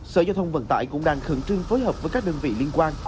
sở giao thông vận tải cũng đang khẩn trương phối hợp với các đơn vị liên quan